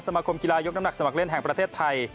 มาคมกีฬายกน้ำหนักสมัครเล่นแห่งประเทศไทย